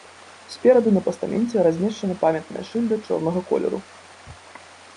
Спераду на пастаменце размешчана памятная шыльда чорнага колеру.